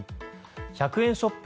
１００円ショップ